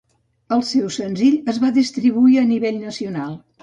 El seu senzill es va distribuir a nivell nacional.